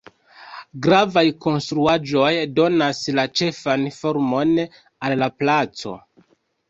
Gravaj konstruaĵoj donas la ĉefan formon al la placo.